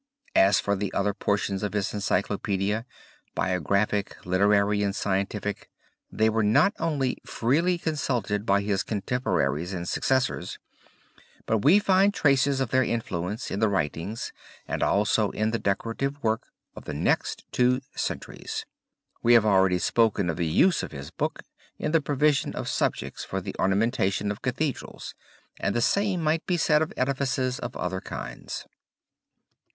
As for the other portions of his encyclopedia, biographic, literary and scientific, they were not only freely consulted by his contemporaries and successors, but we find traces of their influence in the writings and also in the decorative work of the next two centuries. We have already spoken of the use of his book in the provision of subjects for the ornamentation of Cathedrals and the same thing might be said of edifices of other kinds.